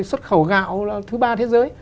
xuất khẩu gạo là thứ ba thế giới